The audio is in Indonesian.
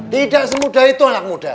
tidak semudah itu anak muda